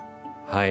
はい。